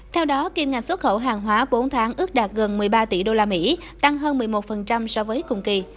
theo đó kim ngạch xuất khẩu hàng hóa bốn tháng ước đạt gần một mươi ba tỷ usd tăng hơn một mươi một so với cùng kỳ